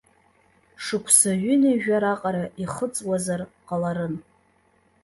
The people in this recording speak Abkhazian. Шықәсы ҩынҩажәа раҟара ихыҵуазар ҟаларын.